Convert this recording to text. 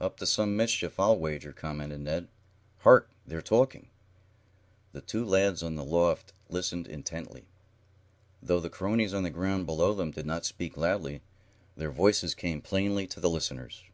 "Up to some mischief, I'll wager," commented Ned. "Hark! They're talking." The two lads on the loft listened intently. Though the cronies on the ground below them did not speak loudly, their voices came plainly to the listeners.